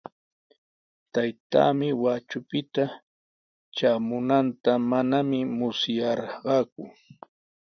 Taytaami Huacupita traamunanta manami musyarqaaku.